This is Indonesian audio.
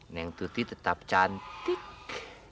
neng tuti tetap cantik